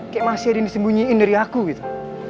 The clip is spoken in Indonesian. kayak masih ada yang disembunyiin dari aku gitu